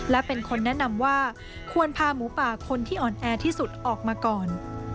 และเป็นคนแนะนำว่าควรพาหมูป่าคนที่อ่อนแอที่สุดออกมาก่อน